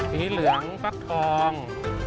สีเหลืองฟักทอง